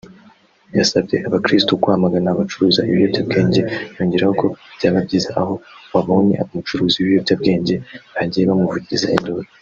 yasabye abakirisitu kwamagana abacuruza ibiyobyabwenge yongeraho ko byaba byiza aho babonye umucuruzi w’ ibiyobyabwenge bagiye bamuvugiriza induru